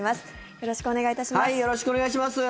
よろしくお願いします。